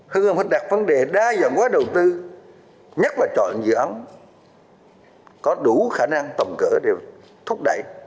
hưng yên phải đặt vấn đề đa dạng quá đầu tư nhất là chọn dự án có đủ khả năng tầm cỡ để thúc đẩy